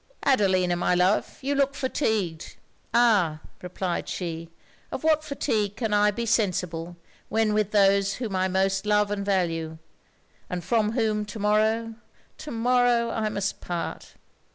Adelina, my love, you look fatigued.' 'Ah!' replied she, 'of what fatigue can I be sensible when with those who I most love and value; and from whom, to morrow to morrow I must part!'